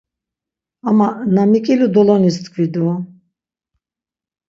Ama na miǩilu dolonis tkvi do...